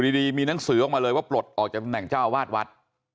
ดีมีหนังสือออกมาเลยว่าปลดออกจากตำแหน่งเจ้าวาดวัด